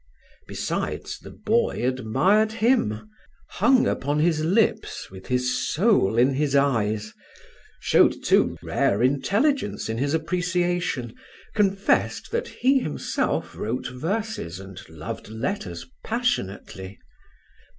Besides, the boy admired him, hung upon his lips with his soul in his eyes; showed, too, rare intelligence in his appreciation, confessed that he himself wrote verses and loved letters passionately.